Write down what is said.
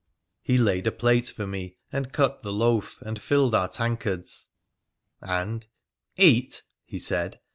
He laid a plate for me, and cut the loaf and filled our tankards, and —' Eat !' he said.